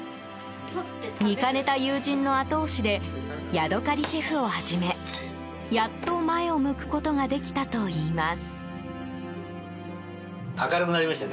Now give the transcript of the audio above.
見かねた友人の後押しでヤドカリシェフを始めやっと前を向くことができたといいます。